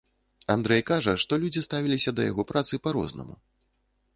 Андрэй кажа, што людзі ставіліся да яго працы па-рознаму.